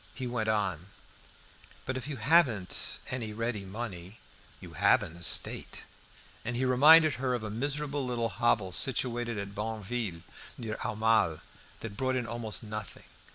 He went on "But if you haven't any ready money, you have an estate." And he reminded her of a miserable little hovel situated at Barneville, near Aumale, that brought in almost nothing.